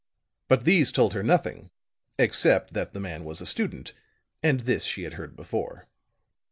But these told her nothing, except that the man was a student; and this she had heard before.